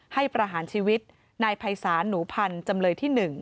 ประหารชีวิตนายภัยศาลหนูพันธ์จำเลยที่๑